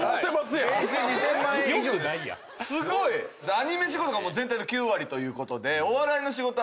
アニメ仕事が全体の９割ということで。